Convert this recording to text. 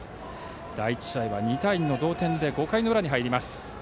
第１試合は２対２の同点で５回の裏に入ります。